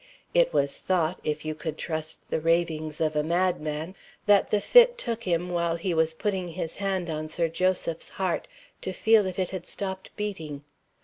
It was thought if you could trust the ravings of a madman that the fit took him while he was putting his hand on Sir Joseph's heart to feel if it had stopped beating.